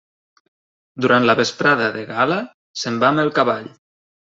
Durant la vesprada de gala, se'n va amb el cavall.